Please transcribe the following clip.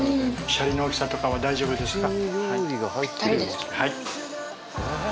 シャリの大きさとかは大丈夫ですか？